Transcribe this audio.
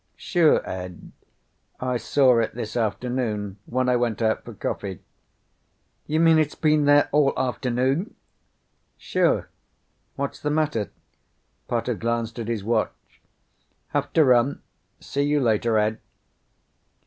"Sure, Ed. I saw it this afternoon when I went out for coffee." "You mean it's been there all afternoon?" "Sure. What's the matter?" Potter glanced at his watch. "Have to run. See you later, Ed."